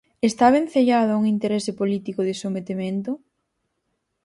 Está vencellado a un interese político de sometemento?